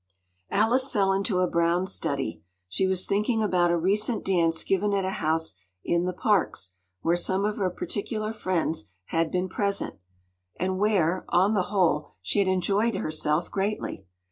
Alice fell into a brown study. She was thinking about a recent dance given at a house in the Parks, where some of her particular friends had been present, and where, on the whole, she had enjoyed herself greatly.